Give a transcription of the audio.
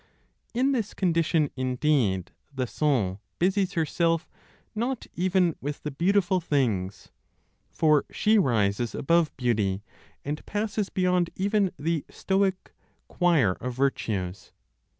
In this condition, indeed, the soul busies herself not even with the beautiful things, for she rises above beauty, and passes beyond even the (Stoic) "choir of virtues."